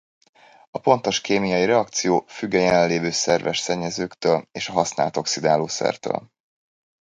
A pontos kémiai reakció függ a jelenlévő szerves szennyezőktől és a használt oxidálószertől.